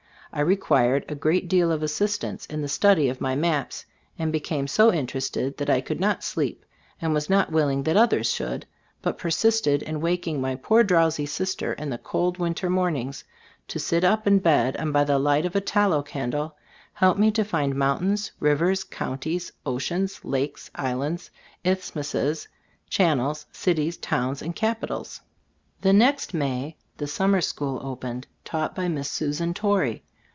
I required a great deal of assistance in the study of my maps, and became so interested that I could not sleep, and was not willing that others should, but per sisted in waking my poor drowsy sis ter in the cold winter mornings to sit up in bed and by the light of a tallow candle, help me to find mountains, riv ers, counties, oceans, lakes, islands, isthmuses, channels, cities, towns and capitals. The next May the summer school opened, taught by Miss Susan Tor rey.